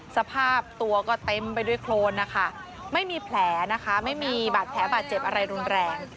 สภาพตัวก็เต็มไปด้วยโครนนะคะไม่มีแผลนะคะไม่มีบาดแผลบาดเจ็บอะไรรุนแรง